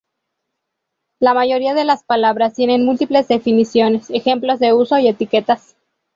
La mayoría de las palabras tienen múltiples definiciones, ejemplos de uso, y etiquetas.